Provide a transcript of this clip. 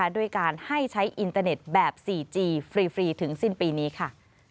ด้วยการให้ใช้อินเตอร์เน็ตแบบ๔จีฟรีถึงสิ้นปีนี้ค่ะ